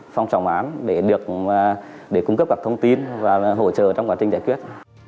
phong trọng án để cung cấp các thông tin và hỗ trợ trong quá trình giải quyết